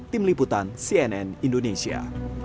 tim liputan cnn indonesia